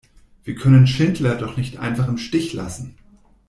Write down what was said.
Wir können Schindler doch nicht einfach im Stich lassen!